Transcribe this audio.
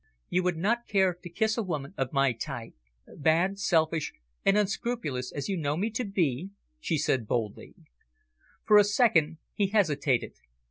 "You would not care to kiss a woman of my type bad, selfish and unscrupulous as you know me to be?" she said boldly. For a second he hesitated.